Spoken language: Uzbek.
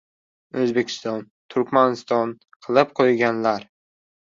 O‘zbekiston, Turkmaniston qilib qo‘yganlar